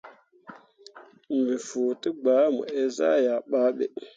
Me fuu degba mo eezah yah babe.